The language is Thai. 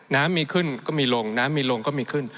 น้ำมีขึ้นก็มีลงน้ำมีลงก็มีขึ้น